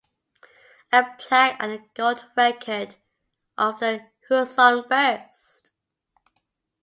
A plaque and a gold record of the Who's On First?